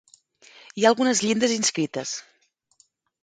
Hi ha algunes llindes inscrites.